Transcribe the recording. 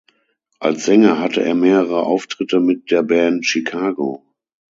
Als Sänger hatte er mehrere Auftritte mit der Band Chicago.